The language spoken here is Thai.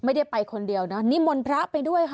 ไม่ได้ไปคนเดียวนะนิมนต์พระไปด้วยค่ะ